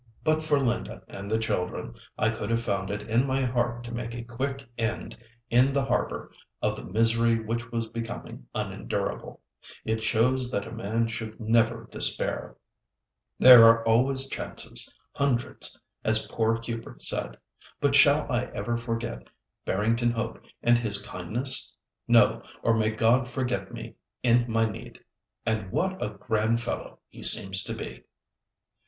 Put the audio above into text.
But for Linda and the children, I could have found it in my heart to make a quick end, in the harbour, of the misery which was becoming unendurable. It shows that a man should never despair. There are always chances. Hundreds, as poor Hubert said. But shall I ever forget Barrington Hope and his kindness? No, or may God forget me in my need. And what a grand fellow he seems to be!"